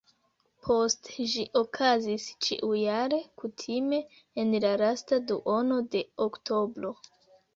Poste ĝi okazis ĉiujare, kutime en la lasta duono de oktobro.